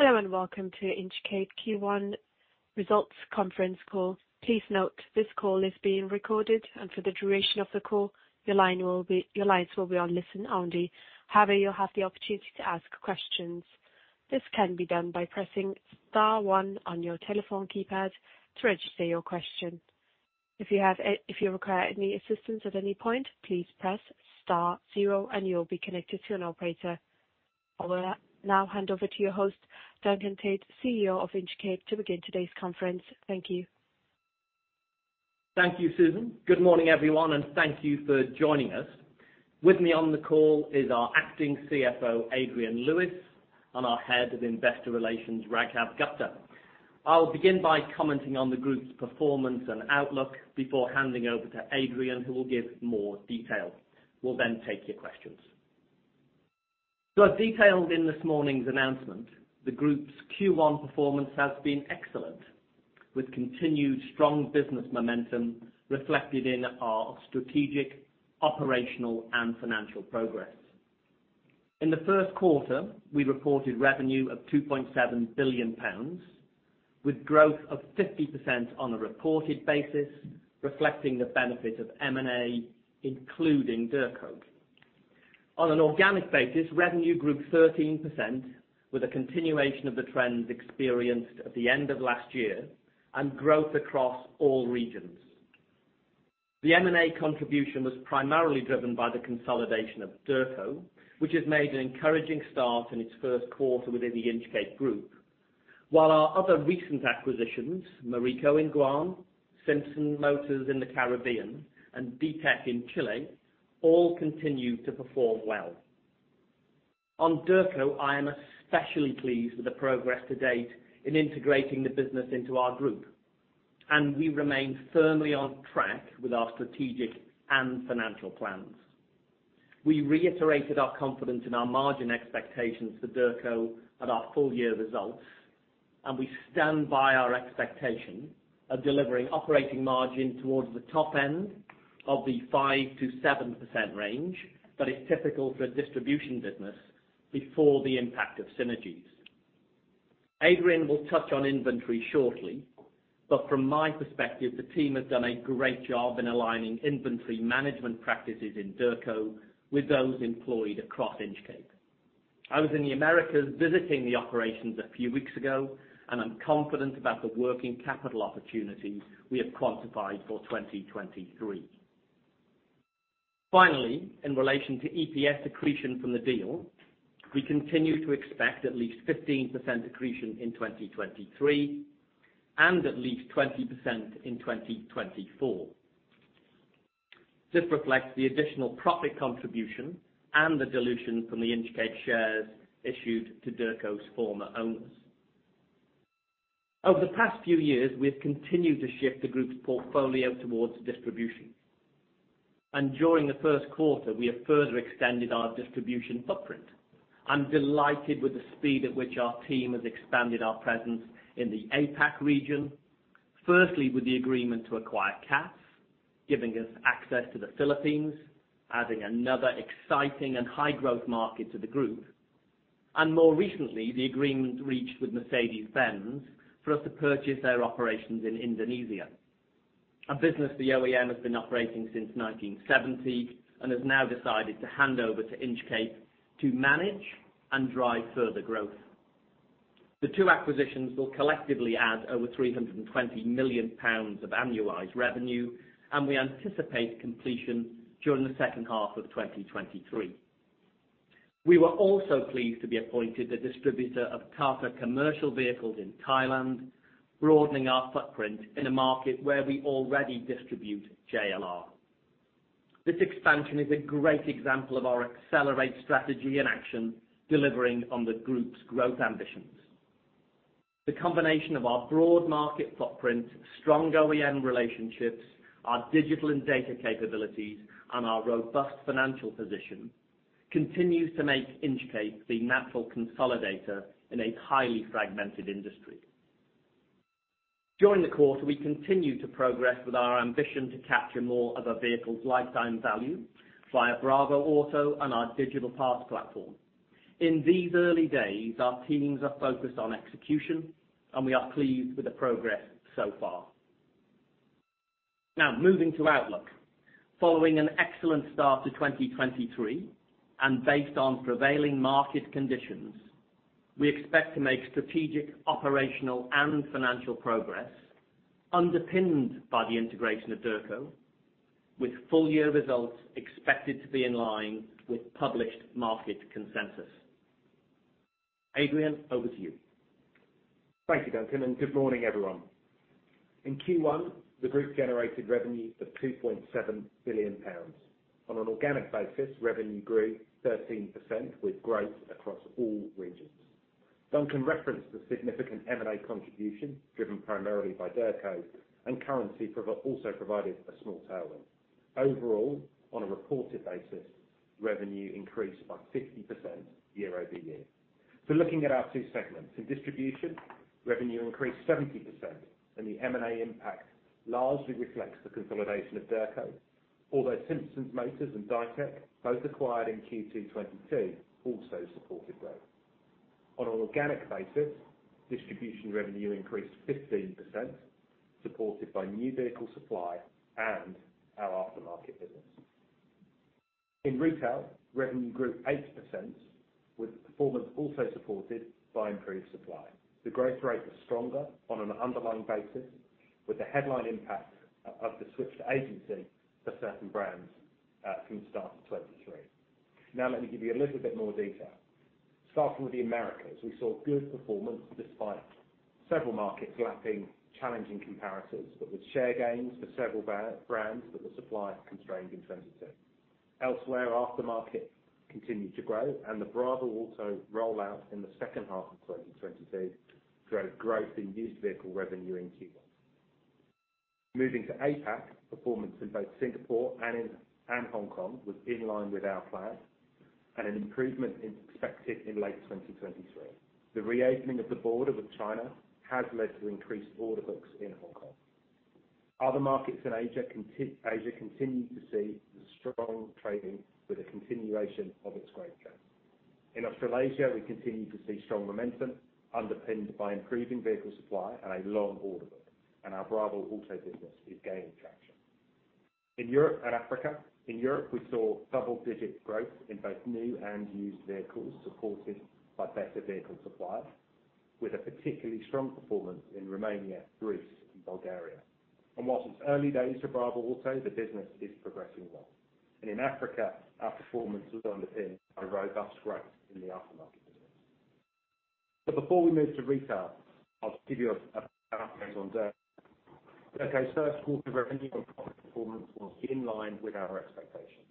Hello, welcome to Inchcape Q1 Results Conference Call. Please note this call is being recorded, and for the duration of the call, your lines will be on listen-only. However, you'll have the opportunity to ask questions. This can be done by pressing star one on your telephone keypad to register your question. If you require any assistance at any point, please press star zero and you'll be connected to an operator. I'll now hand over to your host, Duncan Tait, CEO of Inchcape, to begin today's conference. Thank you. Thank you, Susan. Good morning, everyone, and thank you for joining us. With me on the call is our Acting CFO, Adrian Lewis, and our Head of Investor Relations, Raghav Gupta. I will begin by commenting on the group's performance and outlook before handing over to Adrian, who will give more details. We'll then take your questions. As detailed in this morning's announcement, the group's Q1 performance has been excellent, with continued strong business momentum reflected in our strategic, operational, and financial progress. In the first quarter, we reported revenue of 2.7 billion pounds, with growth of 50% on a reported basis, reflecting the benefit of M&A, including Derco. On an organic basis, revenue grew 13% with a continuation of the trends experienced at the end of last year and growth across all regions. The M&A contribution was primarily driven by the consolidation of Derco, which has made an encouraging start in its first quarter within the Inchcape Group. Our other recent acquisitions, Morrico in Guam, Simpson Motors in the Caribbean, and Ditec in Chile, all continue to perform well. On Derco, I am especially pleased with the progress to date in integrating the business into our Group, and we remain firmly on track with our strategic and financial plans. We reiterated our confidence in our margin expectations for Derco at our full year results, and we stand by our expectation of delivering operating margin towards the top end of the 5%-7% range that is typical for a distribution business before the impact of synergies. Adrian will touch on inventory shortly. From my perspective, the team has done a great job in aligning inventory management practices in Derco with those employed across Inchcape. I was in the Americas visiting the operations a few weeks ago. I'm confident about the working capital opportunities we have quantified for 2023. Finally, in relation to EPS accretion from the deal, we continue to expect at least 15% accretion in 2023 and at least 20% in 2024. This reflects the additional profit contribution and the dilution from the Inchcape shares issued to Derco's former owners. Over the past few years, we have continued to shift the group's portfolio towards distribution. During the first quarter, we have further extended our distribution footprint. I'm delighted with the speed at which our team has expanded our presence in the APAC region, firstly with the agreement to acquire CATS, giving us access to the Philippines, adding another exciting and high growth market to the group. More recently, the agreement reached with Mercedes-Benz for us to purchase their operations in Indonesia, a business the OEM has been operating since 1970 and has now decided to hand over to Inchcape to manage and drive further growth. The two acquisitions will collectively add over 320 million pounds of annualized revenue. We anticipate completion during the second half of 2023. We were also pleased to be appointed the distributor of Tata Commercial Vehicles in Thailand, broadening our footprint in a market where we already distribute JLR. This expansion is a great example of our accelerate strategy in action, delivering on the group's growth ambitions. The combination of our broad market footprint, strong OEM relationships, our digital and data capabilities, and our robust financial position continues to make Inchcape the natural consolidator in a highly fragmented industry. During the quarter, we continued to progress with our ambition to capture more of a vehicle's lifetime value via bravoauto and our digital pass platform. In these early days, our teams are focused on execution, and we are pleased with the progress so far. Moving to outlook. Following an excellent start to 2023 and based on prevailing market conditions, we expect to make strategic, operational, and financial progress underpinned by the integration of Derco, with full year results expected to be in line with published market consensus. Adrian, over to you. Thank you, Duncan. Good morning, everyone. In Q1, the group generated revenue of 2.7 billion pounds. On an organic basis, revenue grew 13% with growth across all regions. Duncan referenced the significant M&A contribution driven primarily by Derco and currency also provided a small tailwind. Overall, on a reported basis, revenue increased by 50% year-over-year. Looking at our two segments. In distribution, revenue increased 70%. The M&A impact largely reflects the consolidation of Derco. Although Simpson Motors and Ditec, both acquired in Q2 2022, also supported growth. On an organic basis, distribution revenue increased 15%, supported by new vehicle supply and our aftermarket business. In retail, revenue grew 8% with performance also supported by improved supply. The growth rate was stronger on an underlying basis, with the headline impact of the switch to agency for certain brands, from the start of 2023. Let me give you a little bit more detail. Starting with the Americas, we saw good performance despite several markets lapping challenging comparatives, but with share gains for several brands that were supply constrained in 2022. Elsewhere, aftermarket continued to grow and the bravoauto rollout in the second half of 2022 created growth in used vehicle revenue in Q1. Moving to APAC, performance in both Singapore and Hong Kong was in line with our plan and an improvement is expected in late 2023. The reopening of the border with China has led to increased order books in Hong Kong. Other markets in Asia continued to see strong trading with a continuation of its growth trend. In Australasia, we continue to see strong momentum underpinned by improving vehicle supply and a long order book, and our bravoauto business is gaining traction. In Europe and Africa, in Europe, we saw double-digit growth in both new and used vehicles supported by better vehicle supply, with a particularly strong performance in Romania, Greece, and Bulgaria. Whilst it's early days for bravoauto, the business is progressing well. In Africa, our performance was underpinned by robust growth in the aftermarket business. Before we move to retail, I'll give you an update on Derco. First quarter revenue and profit performance was in line with our expectations.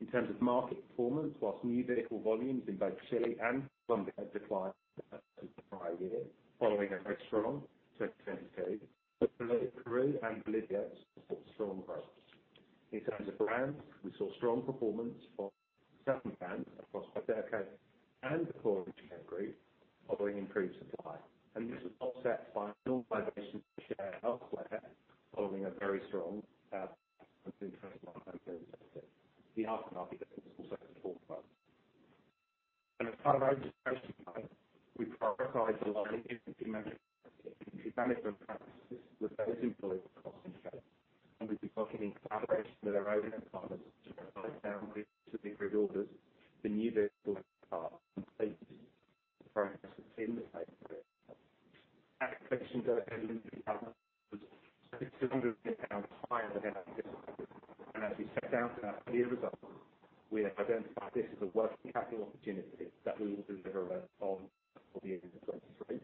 In terms of market performance, whilst new vehicle volumes in both Chile and Colombia declined versus the prior year following a very strong 2022, but Peru and Bolivia support strong growth. In terms of brands, we saw strong performance from certain brands across LATAM and the core Inchcape group following improved supply, and this was offset by a normalization of share elsewhere following a very strong performance in 2022. The aftermarket business also performed well. As part of our transformation plan, we prioritize aligning inventory management practices with those employed across Inchcape. We've been working in collaboration with our owner partners to translate down leads to increased orders for new vehicles and parts and fleet, the progress within the Derco business. Activation Derco inventory partners was 67% higher than our estimates. As we set out in our full year results, we have identified this as a working capital opportunity that we will deliver on for the year 2023.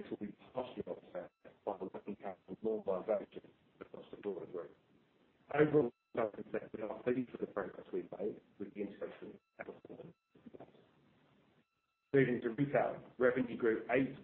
This will be partially offset by the second half normalized outages across the broader group. Overall, Duncan said we are pleased with the progress we've made with the integration and performance to date. Moving to retail, revenue grew 8% year-over-year on an organic basis. The underlying performance much stronger after adjusting to the impact of the agency model adoption. The change in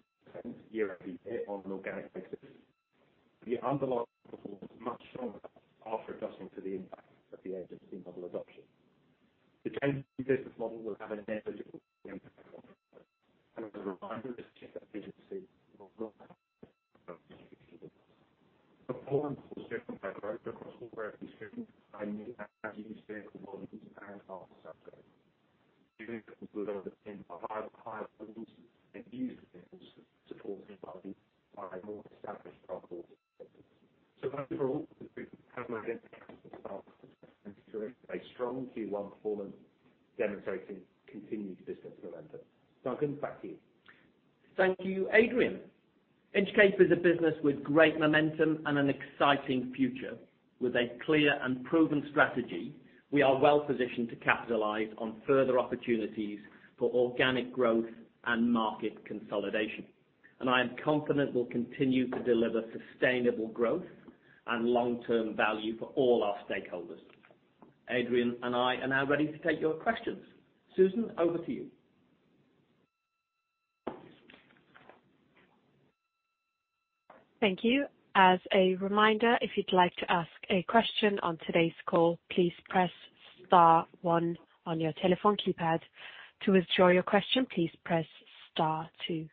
business model will have a negligible impact on profits. As a reminder, this shift to agency will grow our profitability over the medium term. Performance was driven by growth across all our territories by new and used vehicle volumes and parts sales. Used vehicle growth was underpinned by higher volumes in used vehicles supported by a more established bravoauto business. Overall, the group has made a fantastic start to 2023 with a strong Q1 performance demonstrating continued business momentum. Duncan, back to you. Thank you, Adrian. Inchcape is a business with great momentum and an exciting future. With a clear and proven strategy, we are well positioned to capitalize on further opportunities for organic growth and market consolidation. I am confident we'll continue to deliver sustainable growth and long-term value for all our stakeholders. Adrian and I are now ready to take your questions. Susan, over to you. Thank you. As a reminder, if you'd like to ask a question on today's call, please press star one on your telephone keypad. To withdraw your question, please press star two.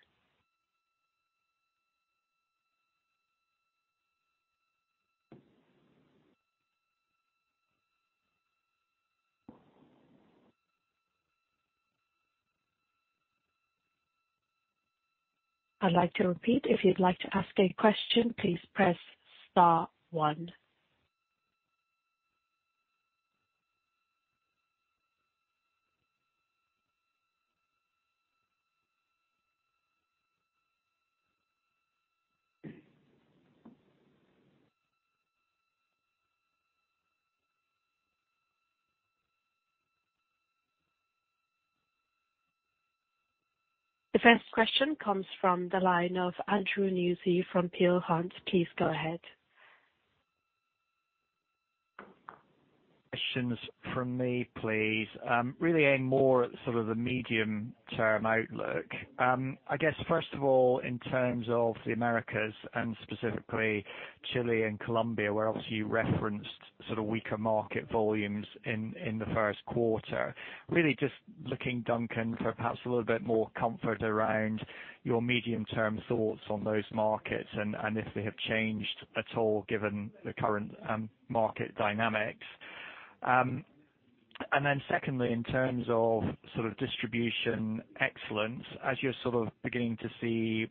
I'd like to repeat. If you'd like to ask a question, please press star one. The first question comes from the line of Andrew Nussey from Peel Hunt. Please go ahead. Questions from me, please. Really aiming more at sort of the medium-term outlook. I guess, first of all, in terms of the Americas and specifically Chile and Colombia, where obviously you referenced sort of weaker market volumes in the first quarter. Really just looking, Duncan, for perhaps a little bit more comfort around your medium-term thoughts on those markets and if they have changed at all given the current market dynamics. Secondly, in terms of sort of distribution excellence, as you're sort of beginning to see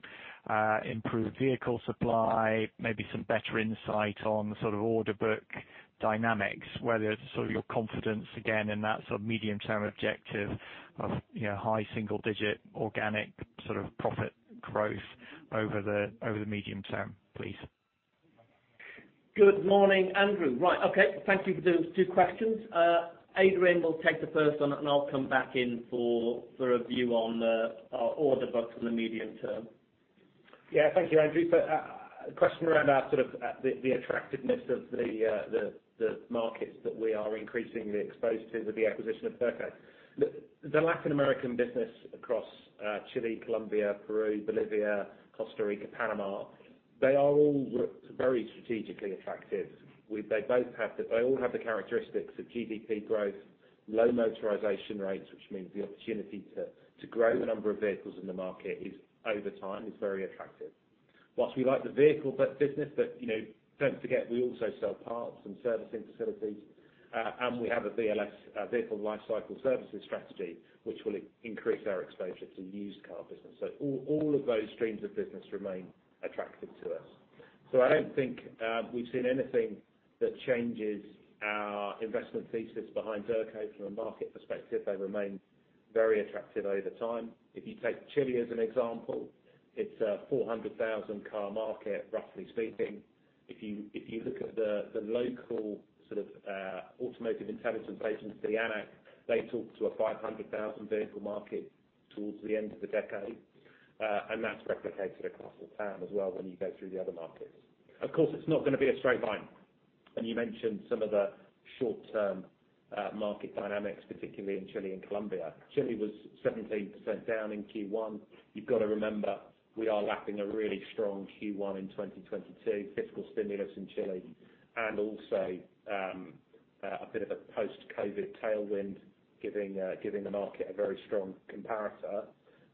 improved vehicle supply, maybe some better insight on the sort of order book dynamics, whether sort of your confidence again in that sort of medium-term objective of, you know, high single digit organic sort of profit growth over the medium term, please. Good morning, Andrew. Right. Okay. Thank you for those two questions. Adrian will take the first one, and I'll come back in for a view on our order books in the medium term. Yeah. Thank you, Andrew, for a question around our sort of the attractiveness of the markets that we are increasingly exposed to with the acquisition of Derco. The Latin American business across Chile, Colombia, Peru, Bolivia, Costa Rica, Panama, they are all very strategically attractive. They all have the characteristics of GDP growth, low motorization rates, which means the opportunity to grow the number of vehicles in the market is over time is very attractive. Whilst we like the vehicle business that, you know, don't forget we also sell parts and servicing facilities. And we have a VLS, Vehicle Lifecycle Services strategy, which will increase our exposure to used car business. All of those streams of business remain attractive to us. I don't think we've seen anything that changes our investment thesis behind Derco from a market perspective. They remain very attractive over the time. If you take Chile as an example, it's a 400,000 car market, roughly speaking. If you look at the local sort of automotive intelligence agents, the ANAC, they talk to a 500,000 vehicle market towards the end of the decade. That's replicated across LATAM as well when you go through the other markets. Of course, it's not gonna be a straight line. You mentioned some of the short-term market dynamics, particularly in Chile and Colombia. Chile was 17% down in Q1. You've got to remember, we are lapping a really strong Q1 in 2022, fiscal stimulus in Chile, and also, a bit of a post-COVID tailwind giving the market a very strong comparator.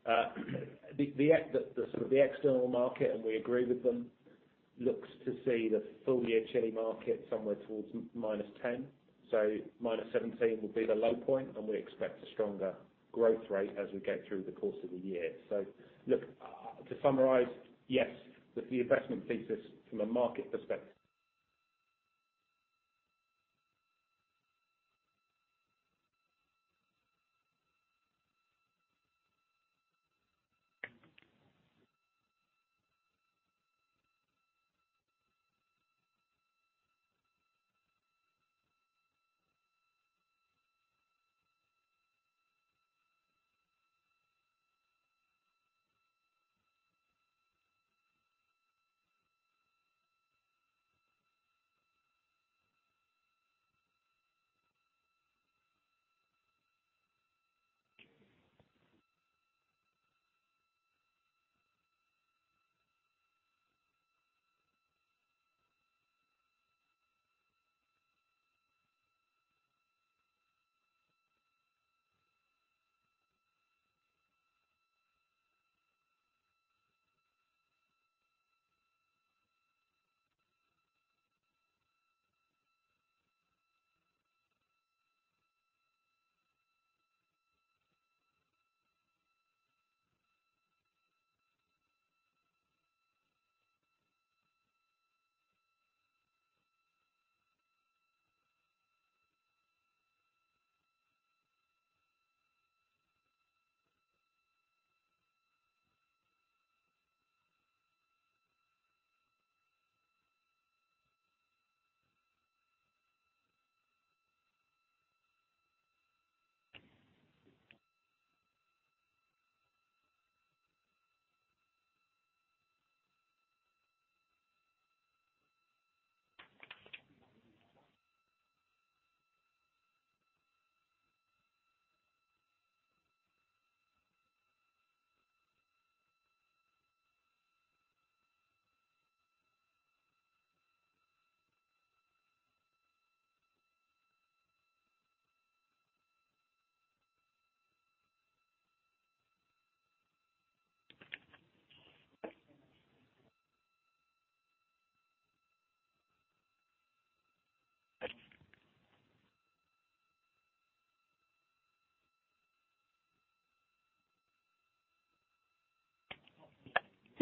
The sort of the external market, and we agree with them, looks to see the full year Chile market somewhere towards -10%. Minus 17% will be the low point, and we expect a stronger growth rate as we get through the course of the year. Look, to summarize, yes, the investment thesis from a market perspective.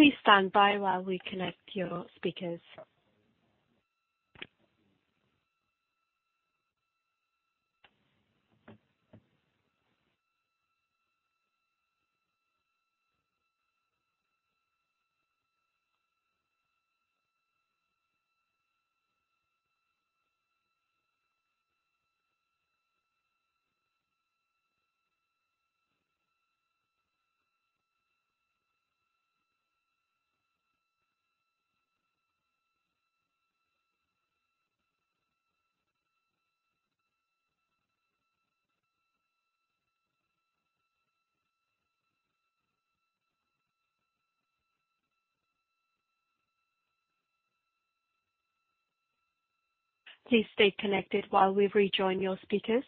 Please stand by while we connect your speakers. Please stay connected while we rejoin your speakers.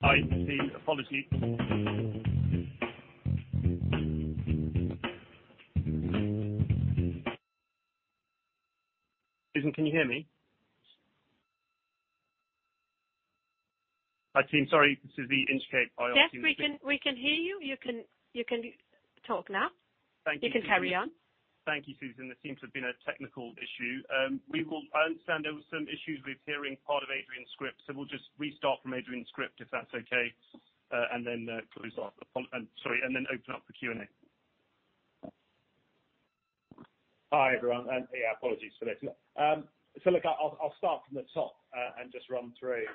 Hi, team. Apologies. Susan, can you hear me? Hi, team. Sorry. This is the Inchcape-. Yes, we can hear you. You can talk now. Thank you, Susan. You can carry on. Thank you, Susan. There seems to have been a technical issue. I understand there were some issues with hearing part of Adrian's script, so we'll just restart from Adrian's script if that's okay, and then close off. Sorry, and then open up for Q&A. Hi, everyone, yeah, apologies for this. Look, I'll start from the top and just run through.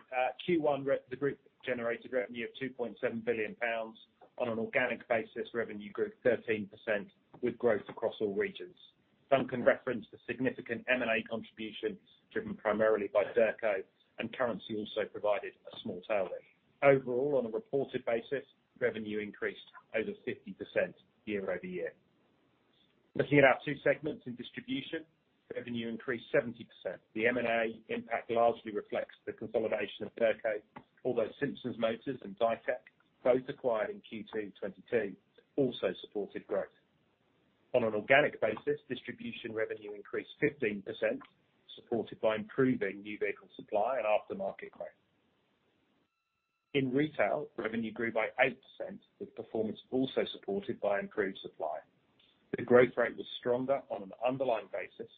Q1 the group generated revenue of 2.7 billion pounds. On an organic basis, revenue grew 13% with growth across all regions. Duncan referenced the significant M&A contributions driven primarily by Derco, and currency also provided a small tail risk. Overall, on a reported basis, revenue increased over 50% year-over-year. Looking at our two segments in distribution, revenue increased 70%. The M&A impact largely reflects the consolidation of Derco, although Simpson Motors and Ditec, both acquired in Q2 2022, also supported growth. On an organic basis, distribution revenue increased 15%, supported by improving new vehicle supply and aftermarket growth. In retail, revenue grew by 8%, with performance also supported by improved supply. The growth rate was stronger on an underlying basis,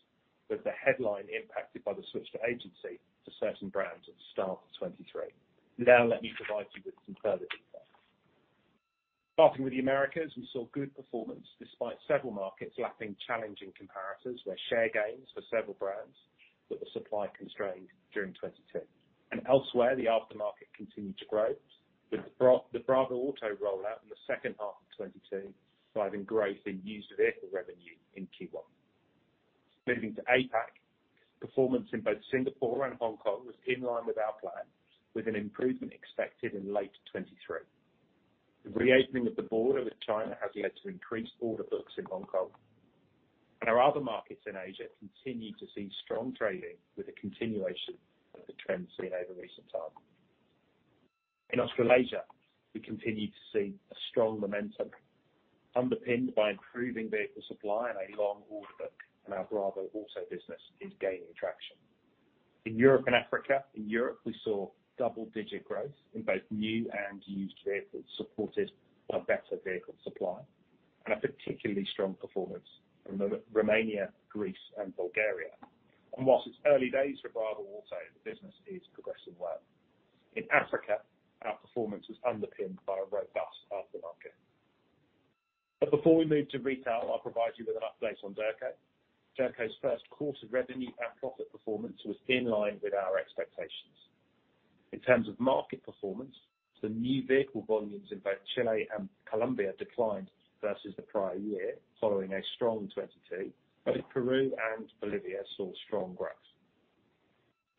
with the headline impacted by the switch to agency to certain brands at the start of 2023. Let me provide you with some further details. Starting with the Americas, we saw good performance despite several markets lapping challenging comparators where share gains for several brands that were supply constrained during 2022. Elsewhere, the aftermarket continued to grow with the bravoauto rollout in the second half of 2022, driving growth in used vehicle revenue in Q1. Moving to APAC, performance in both Singapore and Hong Kong was in line with our plan, with an improvement expected in late 2023. The reopening of the border with China has led to increased order books in Hong Kong. Our other markets in Asia continue to see strong trading with a continuation of the trends seen over recent time. In Australasia, we continue to see a strong momentum underpinned by improving vehicle supply and a long order book. Our bravoauto business is gaining traction. In Europe and Africa, in Europe we saw double-digit growth in both new and used vehicles, supported by better vehicle supply and a particularly strong performance from Romania, Greece and Bulgaria. Whilst it's early days for bravoauto, the business is progressing well. In Africa, our performance was underpinned by a robust aftermarket. Before we move to retail, I'll provide you with an update on Derco. Derco's first quarter revenue and profit performance was in line with our expectations. In terms of market performance, the new vehicle volumes in both Chile and Colombia declined versus the prior year, following a strong 2022, both Peru and Bolivia saw strong growth.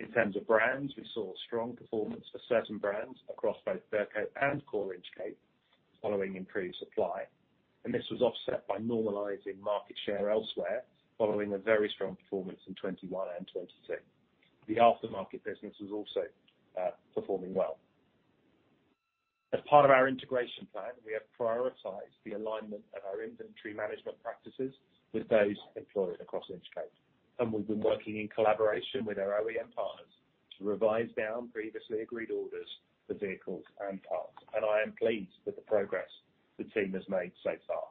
In terms of brands, we saw strong performance for certain brands across both Derco and core Inchcape following improved supply. This was offset by normalizing market share elsewhere following a very strong performance in 2021 and 2022. The aftermarket business was also performing well. As part of our integration plan, we have prioritized the alignment of our inventory management practices with those employed across Inchcape. We've been working in collaboration with our OEM partners to revise down previously agreed orders for vehicles and parts. I am pleased with the progress the team has made so far.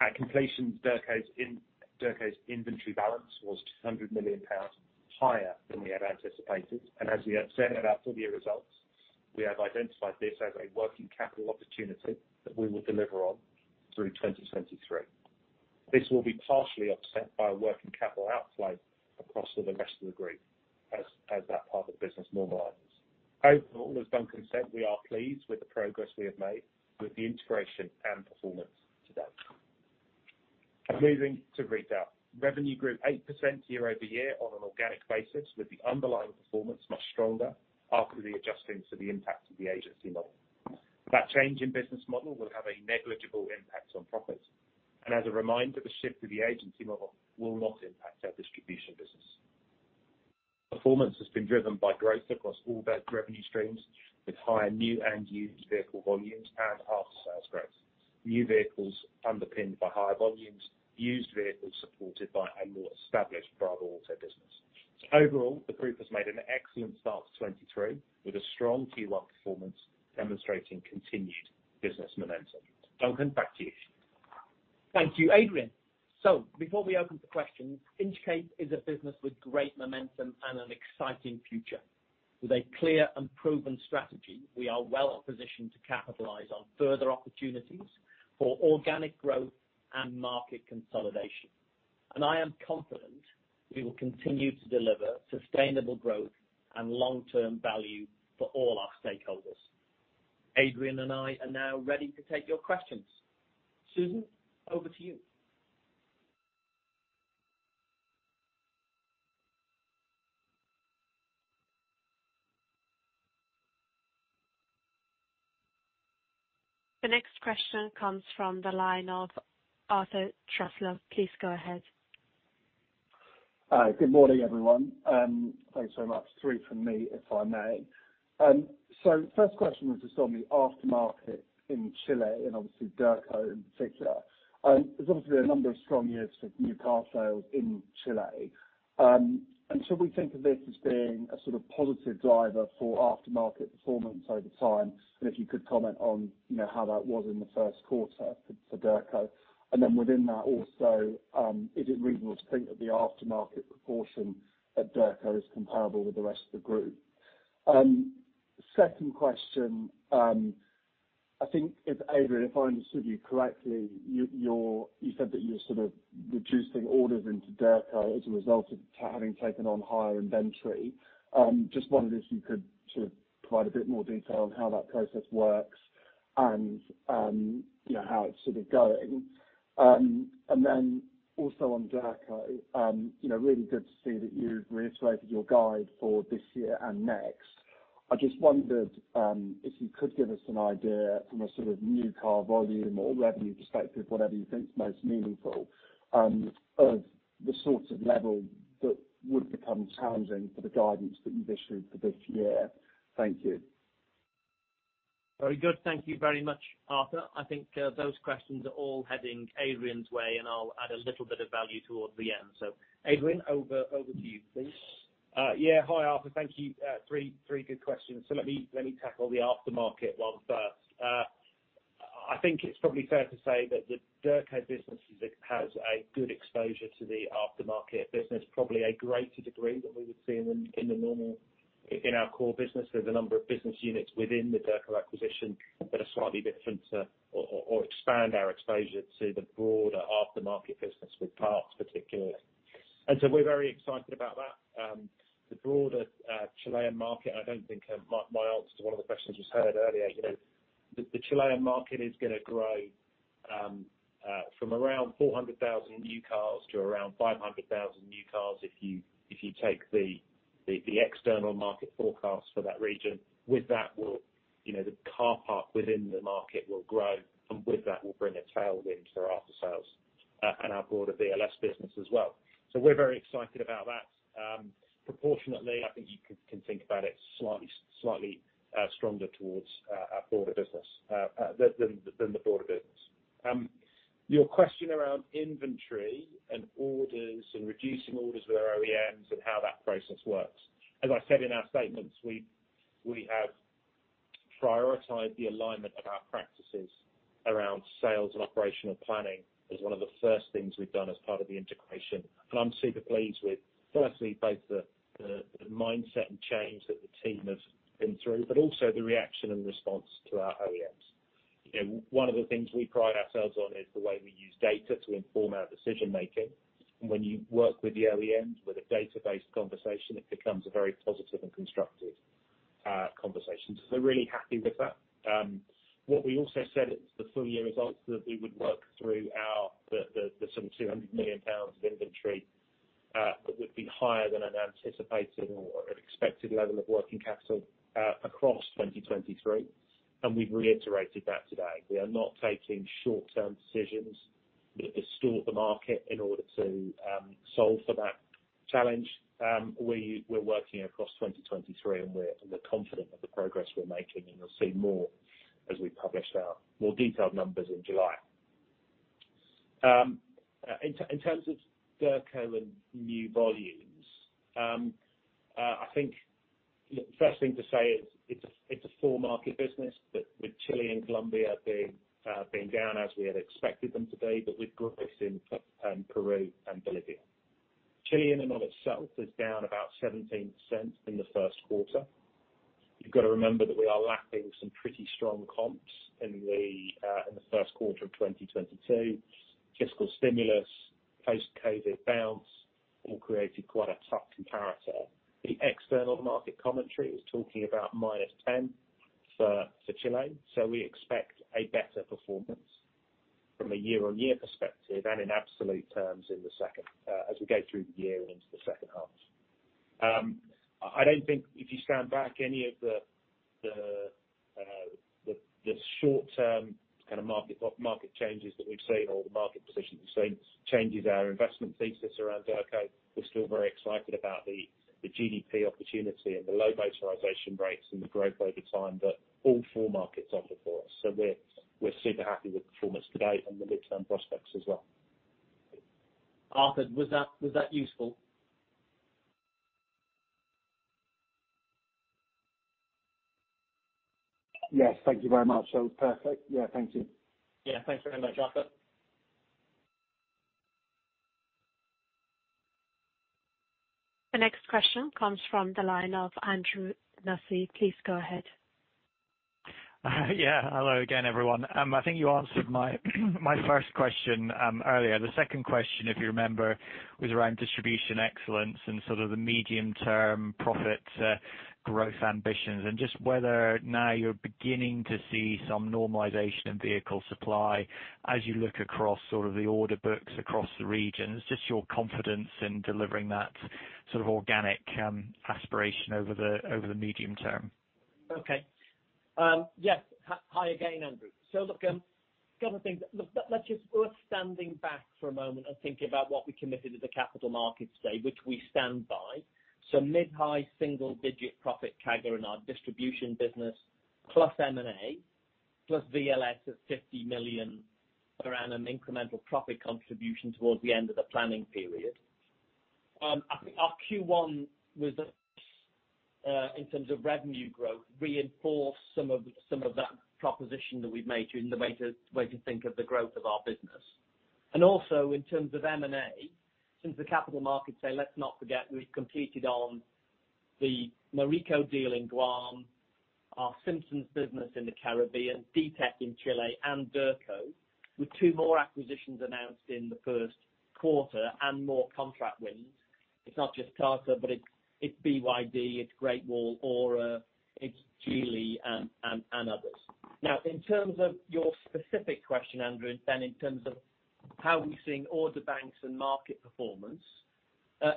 At completion, Derco's inventory balance was 200 million pounds higher than we had anticipated. As we have said in our full year results, we have identified this as a working capital opportunity that we will deliver on through 2023. This will be partially offset by a working capital outflow across all the rest of the group as that part of the business normalizes. Overall, as Duncan said, we are pleased with the progress we have made with the integration and performance to date. Moving to retail. Revenue grew 8% year-over-year on an organic basis, with the underlying performance much stronger after the adjusting to the impact of the agency model. That change in business model will have a negligible impact on profits. As a reminder, the shift to the agency model will not impact our distribution business. Performance has been driven by growth across all their revenue streams, with higher new and used vehicle volumes and after-sales growth. New vehicles underpinned by higher volumes. Used vehicles supported by a more established bravoauto business. Overall, the group has made an excellent start to 2023, with a strong Q1 performance demonstrating continued business momentum. Duncan, back to you. Thank you, Adrian. Before we open for questions, Inchcape is a business with great momentum and an exciting future. With a clear and proven strategy, we are well positioned to capitalize on further opportunities for organic growth and market consolidation. I am confident we will continue to deliver sustainable growth and long-term value for all our stakeholders. Adrian and I are now ready to take your questions. Susan, over to you. The next question comes from the line of Arthur Truslove. Please go ahead. Hi, good morning, everyone. Thanks so much. Three from me, if I may. First question was just on the aftermarket in Chile and obviously Derco in particular. There's obviously a number of strong years of new car sales in Chile. Should we think of this as being a sort of positive driver for aftermarket performance over time? If you could comment on, you know, how that was in Q1 for Derco. Then within that also, is it reasonable to think that the aftermarket proportion at Derco is comparable with the rest of the group? Second question, I think if Adrian, if I understood you correctly, you said that you're sort of reducing orders into Derco as a result of having taken on higher inventory. Just wondered if you could sort of provide a bit more detail on how that process works and, you know, how it's sort of going. Also on Derco, you know, really good to see that you've reiterated your guide for this year and next. I just wondered, if you could give us an idea from a sort of new car volume or revenue perspective, whatever you think is most meaningful, of the sorts of levels that would become challenging for the guidance that you've issued for this year. Thank you. Very good. Thank you very much, Arthur. I think, those questions are all heading Adrian's way. I'll add a little bit of value towards the end. Adrian, over to you, please. Yeah. Hi, Arthur. Thank you. Three good questions. Let me tackle the aftermarket one first. I think it's probably fair to say that the Derco business has a good exposure to the aftermarket business, probably a greater degree than we would see in the, in the normal, in our core business. There's a number of business units within the Derco acquisition that are slightly different to or expand our exposure to the broader aftermarket business with parts particularly. We're very excited about that. The broader Chilean market, my answer to one of the questions you said earlier, you know, the Chilean market is gonna grow from around 400,000 new cars to around 500,000 new cars if you take the external market forecast for that region. With that will, you know, the car park within the market will grow, and with that will bring a tailwind for after sales and our broader VLS business as well. We're very excited about that. Proportionately, I think you can think about it slightly stronger towards our broader business than the broader business. Your question around inventory and orders and reducing orders with our OEMs and how that process works. As I said in our statements, we have prioritized the alignment of our practices around sales and operational planning as one of the first things we've done as part of the integration. I'm super pleased with, firstly, both the mindset and change that the team have been through, but also the reaction and response to our OEMs. You know, one of the things we pride ourselves on is the way we use data to inform our decision-making. When you work with the OEMs with a data-based conversation, it becomes a very positive and constructive conversation. We're really happy with that. What we also said at the full year results, that we would work through some 200 million pounds of inventory that would be higher than an anticipated or an expected level of working capital across 2023. We've reiterated that today. We are not taking short-term decisions that distort the market in order to solve for that challenge. We're working across 2023, and we're confident of the progress we're making, and you'll see more as we publish our more detailed numbers in July. In terms of Derco and new volumes, I think the first thing to say is it's a four-market business. With Chile and Colombia being down as we had expected them to be, but we've grown this in Peru and Bolivia. Chile in and of itself is down about 17% in the first quarter. You've got to remember that we are lapping some pretty strong comps in the in the first quarter of 2022. Fiscal stimulus, post-COVID bounce all created quite a tough comparator. The external market commentary is talking about -10 for Chile, so we expect a better performance from a year-on-year perspective and in absolute terms in the second as we go through the year and into the second half. I don't think if you stand back any of the short-term kind of market changes that we've seen or the market positions we've seen changes our investment thesis around Derco. We're still very excited about the GDP opportunity and the low motorization rates and the growth over time that all four markets offer for us. We're super happy with the performance to date and the midterm prospects as well. Arthur, was that useful? Yes. Thank you very much. That was perfect. Yeah. Thank you. Yeah. Thanks very much, Arthur. The next question comes from the line of Andrew Nussey. Please go ahead. Yeah. Hello again, everyone. I think you answered my first question earlier. The second question, if you remember, was around distribution excellence and sort of the medium-term profit, growth ambitions and just whether now you're beginning to see some normalization in vehicle supply as you look across sort of the order books across the region. It's just your confidence in delivering that sort of organic aspiration over the, over the medium term. Okay. Yes. Hi, again, Andrew. Look, a couple of things. Let's just worth standing back for a moment and thinking about what we committed to the capital markets day, which we stand by. Mid-high single-digit profit CAGR in our distribution business, plus M&A, plus VLS of 50 million per annum incremental profit contribution towards the end of the planning period. I think our Q1 was in terms of revenue growth, reinforced some of that proposition that we've made to you in the way to think of the growth of our business. Also in terms of M&A, since the capital markets day, let's not forget we've completed on the Morrico deal in Guam, our Simpsons business in the Caribbean, Ditec in Chile, and Derco, with two more acquisitions announced in the first quarter and more contract wins. It's not just Carter, but it's BYD, it's Great Wall, ORA, it's Geely, and others. In terms of your specific question, Andrew, in terms of how we're seeing order banks and market performance,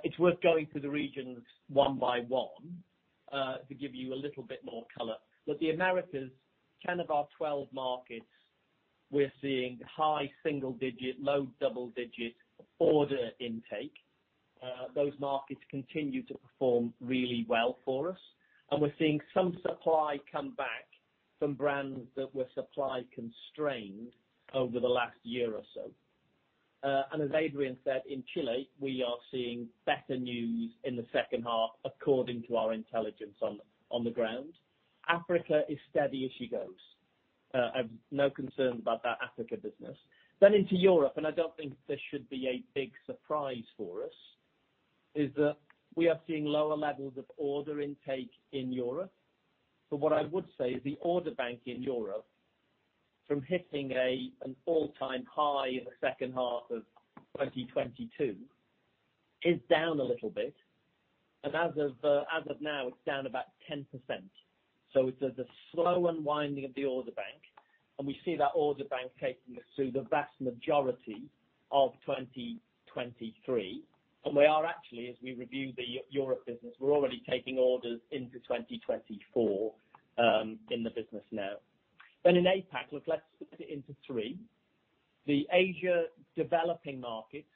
it's worth going through the regions one by one to give you a little bit more color. The Americas, 10 of our 12 markets, we're seeing high single digit, low double digit order intake. Those markets continue to perform really well for us, and we're seeing some supply come back from brands that were supply constrained over the last year or so. As Adrian said, in Chile, we are seeing better news in the second half according to our intelligence on the ground. Africa is steady as she goes. I've no concern about that Africa business. Into Europe, I don't think this should be a big surprise for us, is that we are seeing lower levels of order intake in Europe. What I would say is the order bank in Europe from hitting an all-time high in the second half of 2022 is down a little bit. As of now, it's down about 10%. It's the slow unwinding of the order bank, we see that order bank taking us through the vast majority of 2023. We are actually, as we review the Europe business, we're already taking orders into 2024 in the business now. In APAC, look, let's split it into three. The Asia developing markets,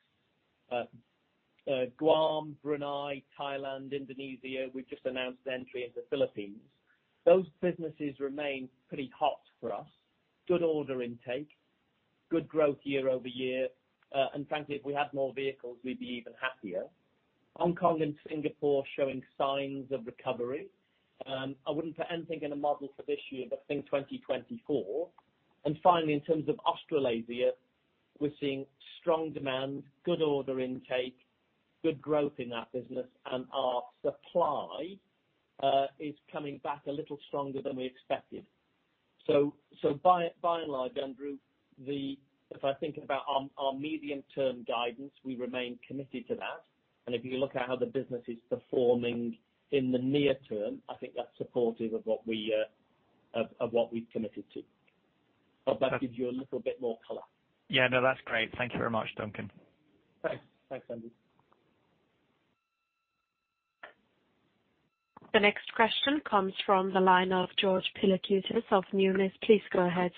Guam, Brunei, Thailand, Indonesia, we've just announced entry into Philippines. Those businesses remain pretty hot for us. Good order intake, good growth year-over-year. Frankly, if we had more vehicles, we'd be even happier. Hong Kong and Singapore are showing signs of recovery. I wouldn't put anything in a model for this year, but I think 2024. Finally, in terms of Australasia, we're seeing strong demand, good order intake, good growth in that business, and our supply is coming back a little stronger than we expected. By and large, Andrew, if I think about our medium-term guidance, we remain committed to that. If you look at how the business is performing in the near term, I think that's supportive of what we, of what we've committed to. Hope that gives you a little bit more color. Yeah, no, that's great. Thank you very much, Duncan. Thanks. Thanks, Andrew. The next question comes from the line of George Pilakoutas of Numis. Please go ahead.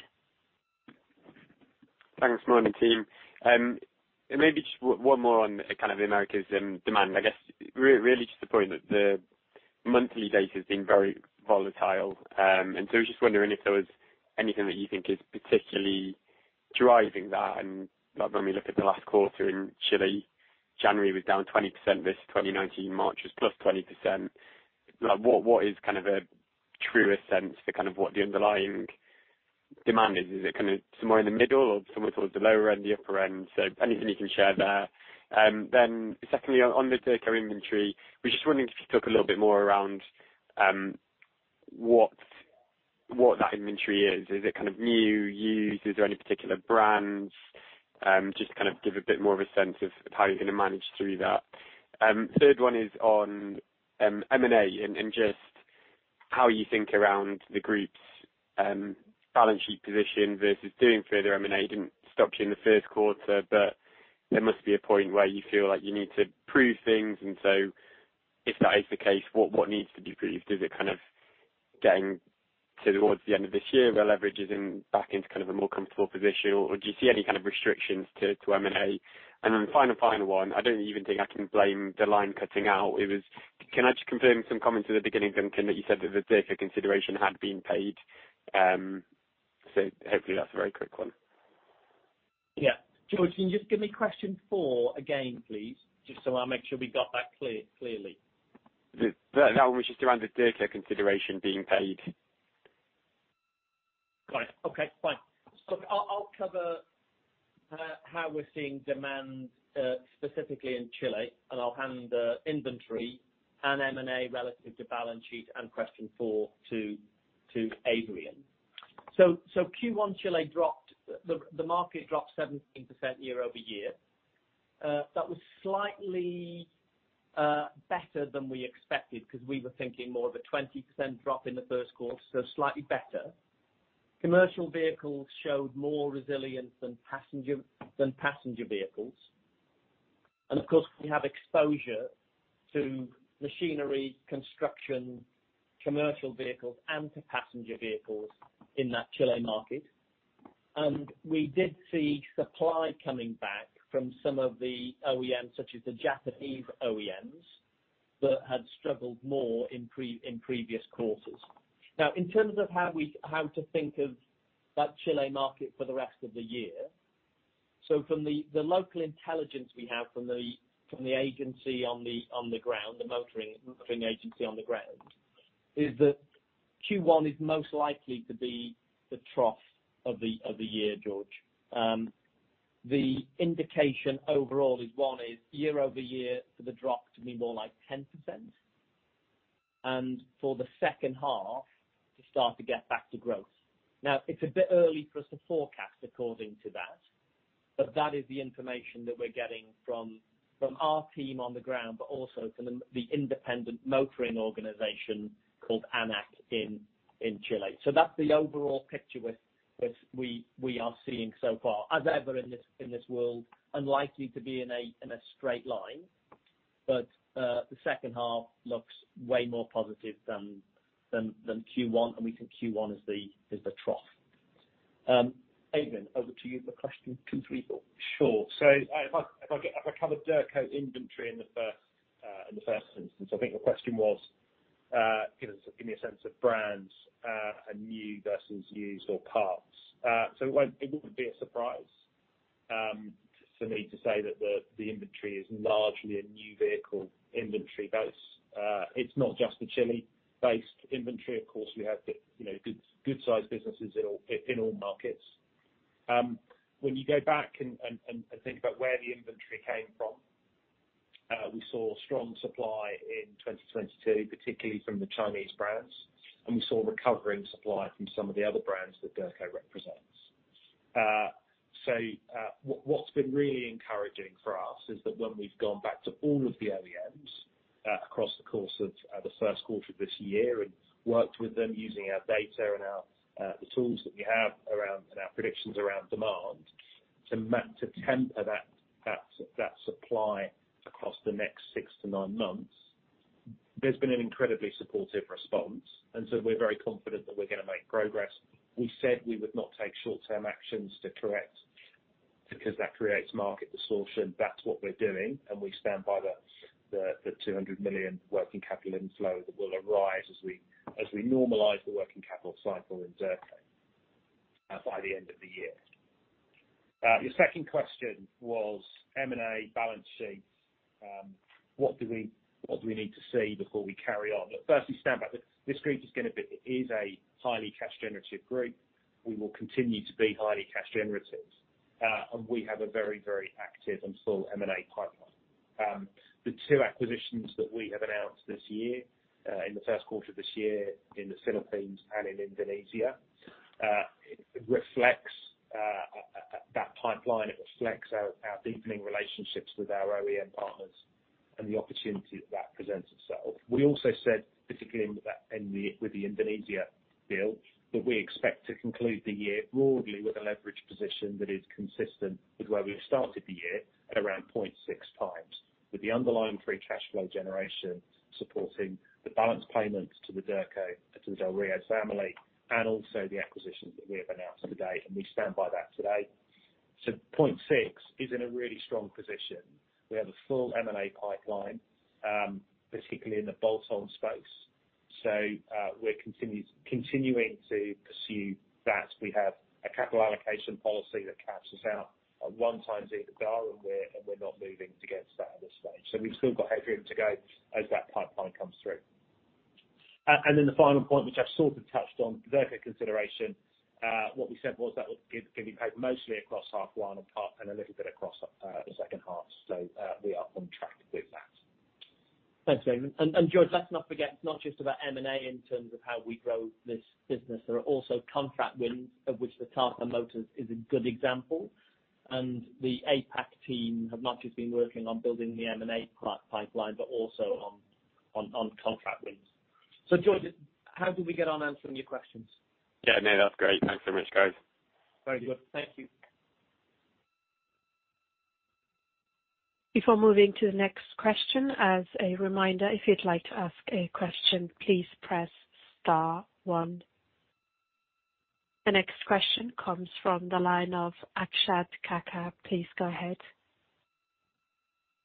Thanks. Morning, team. Maybe just one more on kind of the Americas and demand. I guess, really just the point that the monthly data has been very volatile. I was just wondering if there was anything that you think is particularly driving that. Like when we look at the last quarter in Chile, January was down 20% versus 2019, March was +20%. Like, what is kind of a truer sense for kind of what the underlying demand is? Is it kind of somewhere in the middle or somewhere towards the lower end, the upper end? Anything you can share there. Secondly, on the Derco inventory, we're just wondering if you could talk a little bit more around what that inventory is. Is it kind of new, used? Is there any particular brands? Just to kind of give a bit more of a sense of how you're gonna manage through that. Third one is on M&A and just how you think around the group's balance sheet position versus doing further M&A. Didn't stop you in Q1, there must be a point where you feel like you need to prove things. If that is the case, what needs to be proved? Is it kind of getting towards the end of this year, where leverage is back into kind of a more comfortable position? Do you see any kind of restrictions to M&A? Final one, I don't even think I can blame the line cutting out. Can I just confirm some comments at the beginning, Duncan, that you said that the Derco consideration had been paid? Hopefully that's a very quick one. Yeah. George, can you just give me question 4 again, please, just so I make sure we got that clear, clearly? That one was just around the Derco consideration being paid. Got it. Okay, fine. Look, I'll cover how we're seeing demand specifically in Chile, and I'll hand the inventory and M&A relative to balance sheet and question 4 to Adrian. Q1 the market dropped 17% year-over-year. That was slightly better than we expected 'cause we were thinking more of a 20% drop in the first quarter, so slightly better. Commercial vehicles showed more resilience than passenger vehicles. Of course, we have exposure to machinery, construction, commercial vehicles and to passenger vehicles in that Chile market. We did see supply coming back from some of the OEMs, such as the Japanese OEMs that had struggled more in previous quarters. In terms of how to think of that Chile market for the rest of the year. From the local intelligence we have from the agency on the ground, the motoring agency on the ground, is that Q1 is most likely to be the trough of the year, George. The indication overall is one is year-over-year for the drop to be more like 10% and for the second half to start to get back to growth. Now it's a bit early for us to forecast according to that, but that is the information that we're getting from our team on the ground, but also from the independent motoring organization called ANAC in Chile. That's the overall picture with which we are seeing so far as ever in this world, unlikely to be in a straight line. The second half looks way more positive than Q1. We think Q1 is the trough. Adrian, over to you for question 2, 3, 4. Sure. If I cover Derco inventory in the first instance, I think the question was, give me a sense of brands, and new versus used or parts. It wouldn't be a surprise for me to say that the inventory is largely a new vehicle inventory. That's, it's not just the Chile based inventory. Of course, we have the, you know, good sized businesses in all markets. When you go back and think about where the inventory came from, we saw strong supply in 2022, particularly from the Chinese brands, and we saw recovering supply from some of the other brands that Derco represents. What's been really encouraging for us is that when we've gone back to all of the OEMs across the course of the first quarter of this year and worked with them using our data and our the tools that we have around, and our predictions around demand to temper that supply across the next 6-9 months, there's been an incredibly supportive response. We're very confident that we're going to make progress. We said we would not take short term actions to correct because that creates market distortion. That's what we're doing. We stand by the 200 million working capital inflow that will arise as we normalize the working capital cycle in Derco by the end of the year. Your second question was M&A balance sheets. What do we, what do we need to see before we carry on? Firstly, stand back. This group is a highly cash generative group. We will continue to be highly cash generative. We have a very, very active and full M&A pipeline. The two acquisitions that we have announced this year, in the first quarter of this year in the Philippines and in Indonesia, reflects that pipeline. It reflects our deepening relationships with our OEM partners and the opportunity that presents itself. We also said, particularly with the Indonesia deal, that we expect to conclude the year broadly with a leverage position that is consistent with where we've started the year at around 0.6x, with the underlying free cash flow generation supporting the balance payments to Derco, to the Del Río family and also the acquisitions that we have announced today. We stand by that today. 0.6x is in a really strong position. We have a full M&A pipeline, particularly in the bolt-on space. We're continuing to pursue that. We have a capital allocation policy that caps us out at 1x EBITDA. We're not moving against that at this stage. We've still got headroom to go as that pipeline comes through. The final point, which I've sort of touched on Derco consideration. What we said was that will be paid mostly across half one and a little bit across the second half. We are on track with that. Thanks, Adrian. George, let's not forget, it's not just about M&A in terms of how we grow this business. There are also contract wins of which the Tata Motors is a good example. The APAC team have not just been working on building the M&A pipeline, but also on contract wins. George, how did we get on answering your questions? Yeah, no, that's great. Thanks so much, guys. Very good. Thank you. Before moving to the next question. As a reminder, if you'd like to ask a question, please press star one. The next question comes from the line of Akshat Kacker. Please go ahead.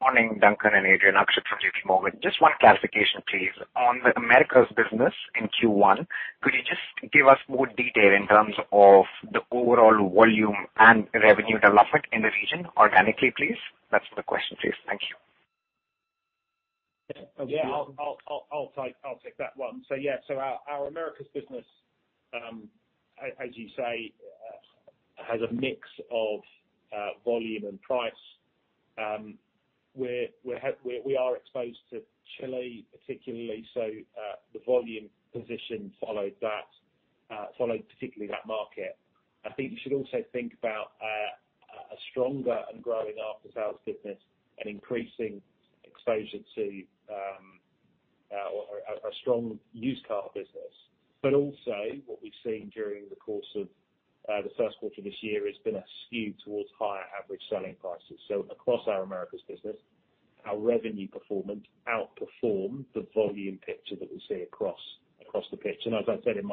Morning, Duncan and Adrian. Akshat from JPMorgan. Just one clarification, please. On the Americas business in Q1, could you just give us more detail in terms of the overall volume and revenue development in the region organically, please? That's the question, please. Thank you. I'll take that one. Our Americas business, as you say, has a mix of volume and price. We are exposed to Chile particularly so the volume position followed that particularly that market. I think you should also think about a stronger and growing after-sales business and increasing exposure to a strong used car business. Also what we've seen during the course of the first quarter of this year has been a skew towards higher average selling prices. Across our Americas business, our revenue performance outperformed the volume picture that we see across the picture. As I said in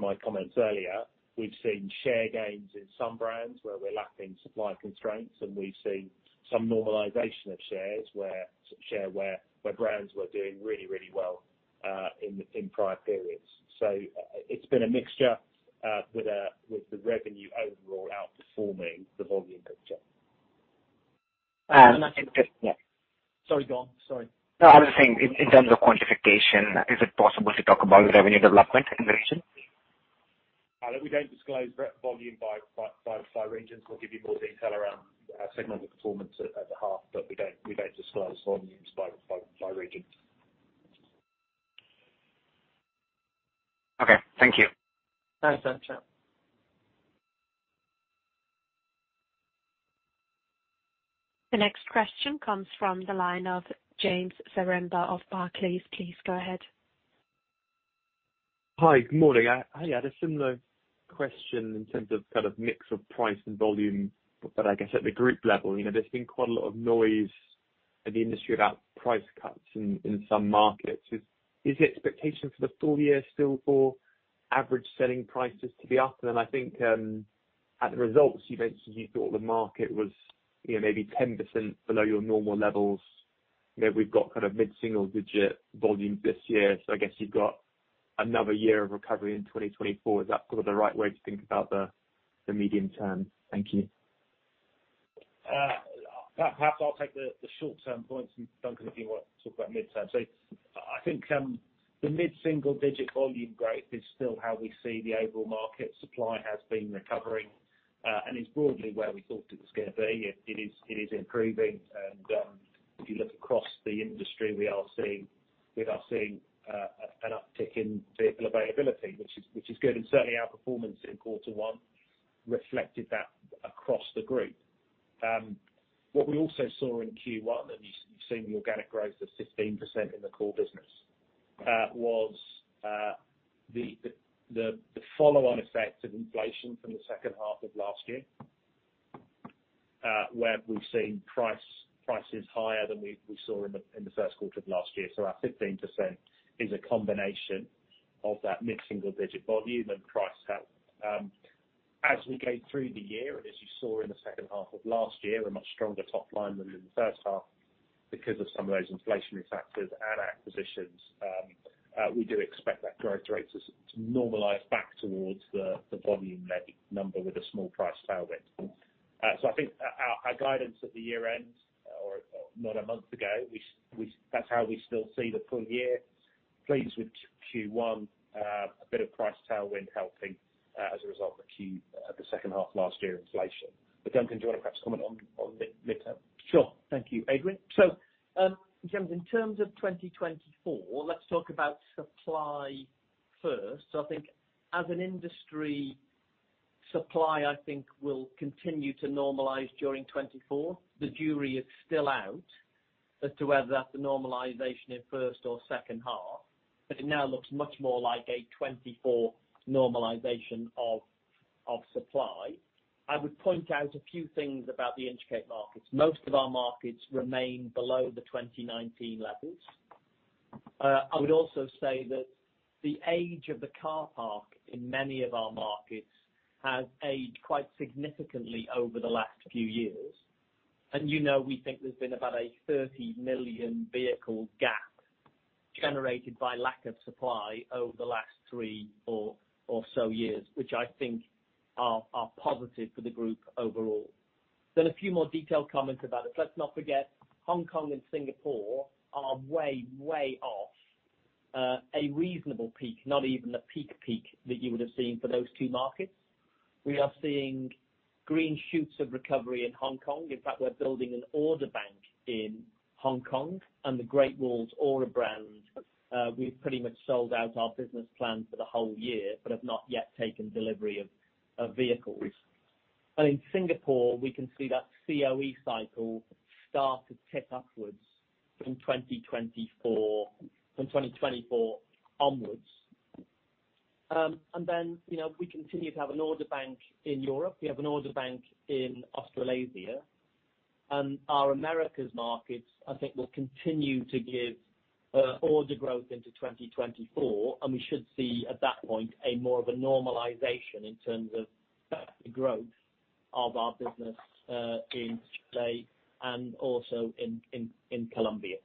my comments earlier, we've seen share gains in some brands where we're lacking supply constraints, and we've seen some normalization of some share where brands were doing really well in prior periods. It's been a mixture with the revenue overall outperforming the volume picture. Just, yeah. Sorry, go on. Sorry. No, I was saying in terms of quantification, is it possible to talk about revenue development in the region? We don't disclose rev volume by regions. We'll give you more detail around our segment of the performance at the half, but we don't disclose volumes by region. Okay, thank you. Thanks, Akshat. The next question comes from the line of James Zaremba of Barclays. Please go ahead. Hi. Good morning. I had a similar question in terms of kind of mix of price and volume, but I guess at the group level. You know, there's been quite a lot of noise in the industry about price cuts in some markets. Is the expectation for the full year still for average selling prices to be up? And I think, at the results, you mentioned you thought the market was, you know, maybe 10% below your normal levels. You know, we've got kind of mid-single digit volume this year, so I guess you've got another year of recovery in 2024. Is that sort of the right way to think about the medium term? Thank you. Perhaps I'll take the short-term points and Duncan if you want to talk about mid-term. I think the mid-single digit volume growth is still how we see the overall market. Supply has been recovering and is broadly where we thought it was gonna be. It is improving and if you look across the industry, we are seeing an uptick in vehicle availability, which is good. Certainly our performance in Q1 reflected that across the group. What we also saw in Q1, and you've seen the organic growth of 15% in the core business, was the follow-on effect of inflation from the second half of last year, where we've seen prices higher than we saw in the first quarter of last year. Our 15% is a combination of that mid-single digit volume and price help. As we go through the year, and as you saw in the second half of last year, a much stronger top line than in the first half because of some of those inflationary factors and acquisitions, we do expect that growth rate to normalize back towards the volume led number with a small price tailwind. I think our guidance at the year-end, or not a month ago, we, that's how we still see the full year. Pleased with Q1. A bit of price tailwind helping as a result of the second half last year inflation. Duncan, do you wanna perhaps comment on the mid-term? Sure. Thank you, Adrian. James, in terms of 2024, let's talk about supply first. I think as an industry, supply, I think will continue to normalize during 2024. The jury is still out as to whether that's a normalization in first or second half, but it now looks much more like a 2024 normalization of supply. I would point out a few things about the Inchcape markets. Most of our markets remain below the 2019 levels. I would also say that the age of the car park in many of our markets has aged quite significantly over the last few years. You know, we think there's been about a 30 million vehicle gap generated by lack of supply over the last three or so years, which I think are positive for the group overall. A few more detailed comments about it. Let's not forget, Hong Kong and Singapore are way off a reasonable peak, not even a peak that you would have seen for those two markets. We are seeing green shoots of recovery in Hong Kong. In fact, we're building an order bank in Hong Kong and the Great Wall ORA brand, we've pretty much sold out our business plan for the whole year, but have not yet taken delivery of vehicles. In Singapore, we can see that COE cycle start to tip upwards from 2024 onwards. You know, we continue to have an order bank in Europe. We have an order bank in Australasia. Our Americas markets, I think will continue to give order growth into 2024, and we should see, at that point, a more of a normalization in terms of the growth of our business in Chile and also in Colombia.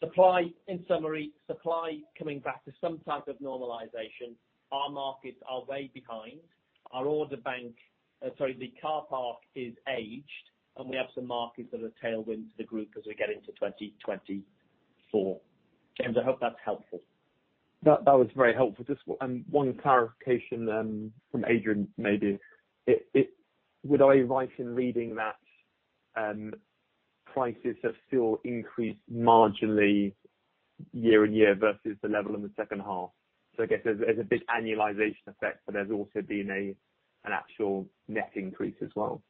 Supply, in summary, supply coming back to some type of normalization. Our markets are way behind. Sorry, the car park is aged, and we have some markets that are tailwind to the group as we get into 2024. James, I hope that's helpful. That was very helpful. Just one clarification from Adrian, maybe. Would I right in reading that prices have still increased marginally year and year versus the level in the second half? I guess there's a big annualization effect, but there's also been an actual net increase as well.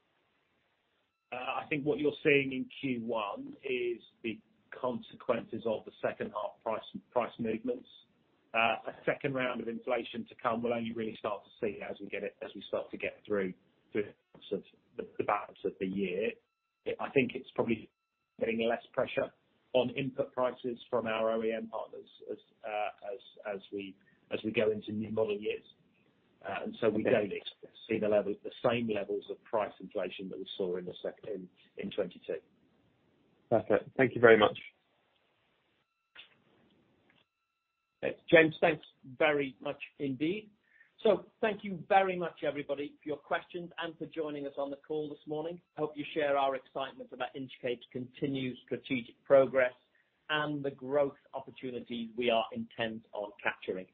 I think what you're seeing in Q1 is the consequences of the second half price movements. A second round of inflation to come. We'll only really start to see as we start to get through to the balance of the year. I think it's probably getting less pressure on input prices from our OEM partners as we go into new model years. We don't see the same levels of price inflation that we saw in 2022. Perfect. Thank you very much. James, thanks very much indeed. Thank you very much everybody for your questions and for joining us on the call this morning. Hope you share our excitement about Inchcape's continued strategic progress and the growth opportunities we are intent on capturing.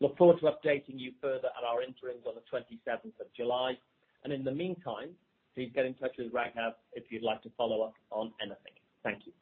Look forward to updating you further at our interim on the 27th of July. In the meantime, please get in touch with Raghav if you'd like to follow up on anything. Thank you.